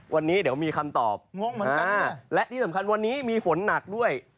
วันนี้เดี๋ยวมีคำตอบและที่สำคัญวันนี้มีฝนหนักด้วย